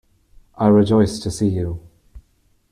I rejoice to see you!